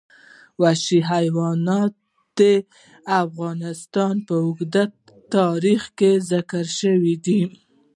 وحشي حیوانات د افغانستان په اوږده تاریخ کې ذکر شوي دي.